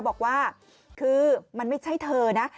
บอกว่าคือมันไม่ใช่เธอนะ